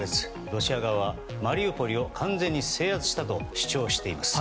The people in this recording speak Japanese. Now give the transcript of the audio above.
ロシア側はマリウポリを完全に制圧したと主張しています。